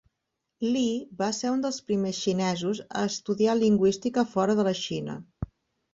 Li va ser un dels primers xinesos a estudiar lingüística fora de la Xina.